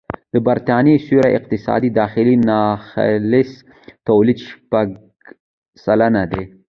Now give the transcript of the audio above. د بریتانیا سیوري اقتصاد د داخلي ناخالص توليد شپږ سلنه دی